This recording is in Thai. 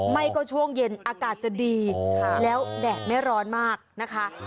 ไม่ก็ช่วงเย็นอากาศจะดีแล้วแดดไม่ร้อนมากนะคะ